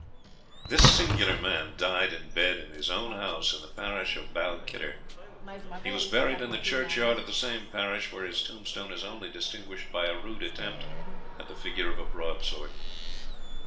This singular man died in bed in his own house, in the parish of Balquhidder. He was buried in the churchyard of the same parish, where his tombstone is only distinguished by a rude attempt at the figure of a broadsword.